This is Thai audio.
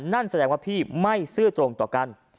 นั่นแสดงว่าพี่ไม่ซื่อตรงต่อกัน